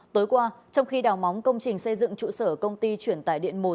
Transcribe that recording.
tối qua trong khi đào móng công trình xây dựng trụ sở công ty chuyển tải điện một